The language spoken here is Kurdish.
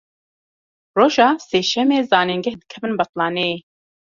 Roja sêşemê zanîngeh dikevin betlaneyê.